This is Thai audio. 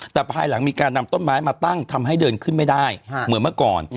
แต่ภายหลังมีการนำต้นไม้มาตั้งทำให้เดินขึ้นไม่ได้เหมือนเมื่อก่อน